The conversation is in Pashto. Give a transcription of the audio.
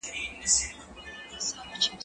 زه به اوږده موده موسيقي اورېدلې وم،